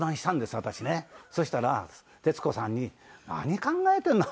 そしたら徹子さんに「何考えてんの？